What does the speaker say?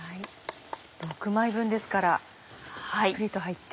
６枚分ですからたっぷりと入って。